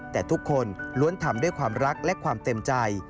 แต่ทุกคนล้วนทำด้วยความรักและความเต็มใจ